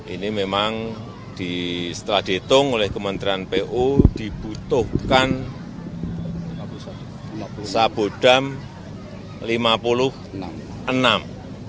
ini memang setelah dihitung oleh kementerian pu dibutuhkan sabodam lima puluh enam